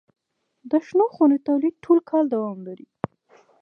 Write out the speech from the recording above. د شنو خونو تولید ټول کال دوام لري.